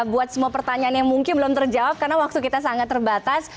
buat semua pertanyaan yang mungkin belum terjawab karena waktu kita sangat terbatas